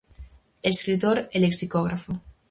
Escritor e lexicógrafo.